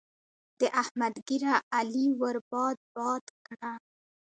د احمد ږيره؛ علي ور باد باد کړه.